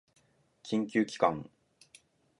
研究機関